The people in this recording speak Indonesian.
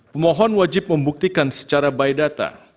pemohon wajib membuktikan secara by data